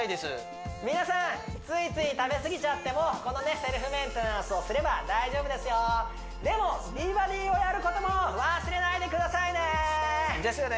皆さんついつい食べ過ぎちゃってもこのねセルフメンテナンスをすれば大丈夫ですよでも美バディをやることも忘れないでくださいねですよね